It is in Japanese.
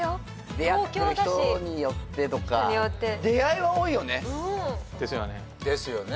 出会ってる人によってとか人によって出会いは多いよねですよね